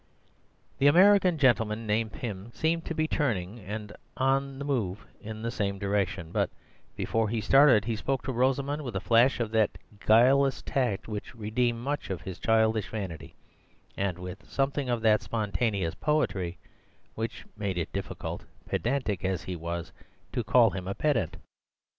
The American gentleman named Pym seemed to be turning and on the move in the same direction; but before he started he spoke to Rosamund with a flash of that guileless tact which redeemed much of his childish vanity, and with something of that spontaneous poetry which made it difficult, pedantic as he was, to call him a pedant.